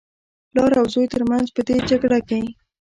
د پلار او زوى تر منځ په دې جګړه کې.